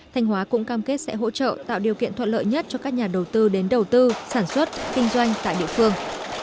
thanh hóa cũng cam kết sẽ hỗ trợ tạo điều kiện thuận lợi nhất cho các nhà đầu tư đến đầu tư sản xuất kinh doanh tại địa phương